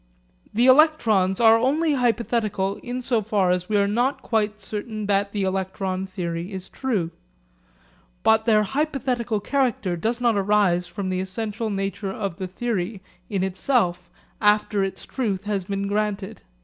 The electrons are only hypothetical in so far as we are not quite certain that the electron theory is true. But their hypothetical character does not arise from the essential nature of the theory in itself after its truth has been granted.